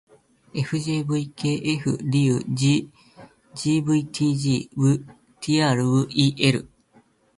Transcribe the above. ｆｊｖｋｆ りう ｇｖｔｇ ヴ ｔｒ ヴぃ ｌ